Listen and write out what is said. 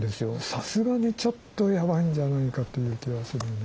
さすがにちょっとやばいんじゃないかっていう気はする。